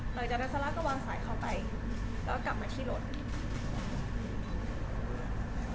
หลังจากนั้นซาร่าก็วางสายเข้าไปแล้วก็กลับมาที่รถ